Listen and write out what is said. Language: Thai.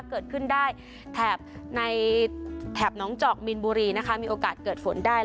เกิดขึ้นได้แถบในแถบน้องจอกมีนบุรีนะคะมีโอกาสเกิดฝนได้